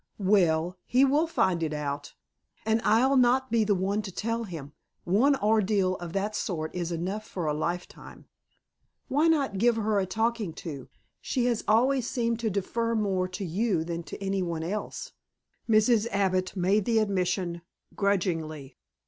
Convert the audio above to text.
"Well, he will find it out. And I'll not be the one to tell him. One ordeal of that sort is enough for a lifetime." "Why not give her a talking to? She has always seemed to defer more to you than to any one else." Mrs. Abbott made the admission grudgingly.